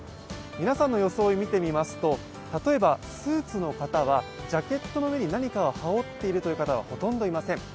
皆さんの装い見てみますと例えばスーツの方はジャケットの上に何かを羽織っている方はほとんどいません。